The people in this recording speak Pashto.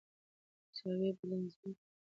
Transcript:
تصاویر بې له زمینه خپلواک معنا نه لري.